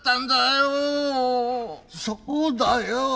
そうだよ！